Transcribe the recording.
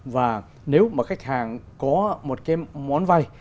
và nếu mà khách hàng có một cái món vay